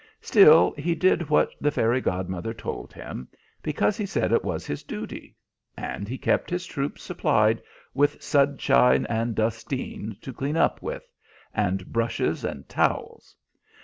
Still he did what the fairy godmother told him, because he said it was his duty; and he kept his troops supplied with sudsine and dustene, to clean up with, and brushes and towels.